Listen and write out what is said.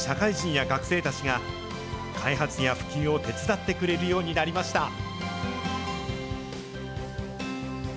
今では考え方に共感する社会人や学生たちが、開発や普及を手伝ってくれるようになりました。